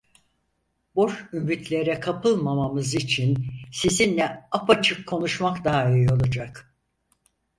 Boş ümitlere kapılmamanız için sizinle apaçık konuşmak daha iyi olacak…